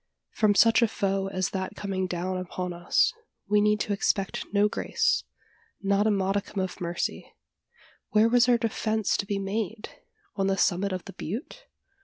From such a foe as that coming down upon us, we need expect no grace not a modicum of mercy. Where was our defence to be made? On the summit of the butte?